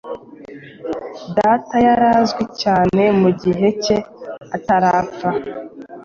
Data yari azwi cyane mugihe cye atarapfa